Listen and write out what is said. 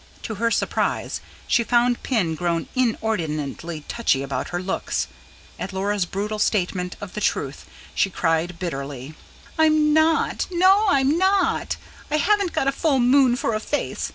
To her surprise, she found Pin grown inordinately touchy about her looks: at Laura's brutal statement of the truth she cried bitterly. "I'm not, no, I'm not! I haven't got a full moon for a face!